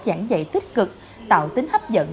giảng dạy tích cực tạo tính hấp dẫn